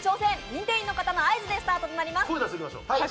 認定員の方の合図でスタートします。